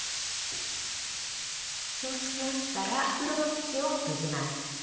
そうしましたら袋の口を閉じます。